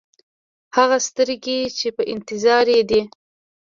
هغه سترګې چې په انتظار یې دی.